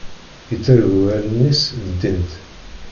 Yettargu allen-is ldint.